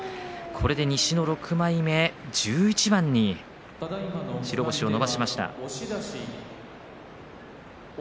西の６枚目、１１番に白星を伸ばしました。